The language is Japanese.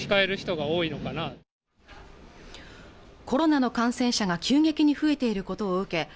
コロナの感染者が急激に増えていることを受け